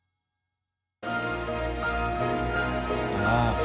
ああ。